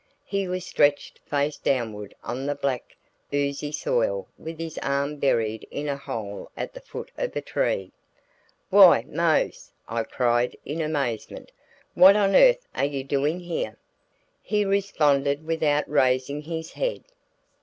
He was stretched face downward on the black, oozy soil with his arm buried in a hole at the foot of a tree. "Why Mose!" I cried in amazement, "what on earth are you doing here?" He responded without raising his head.